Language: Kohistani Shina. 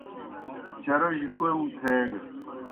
چاروجیْ کوْم تھیگہ۔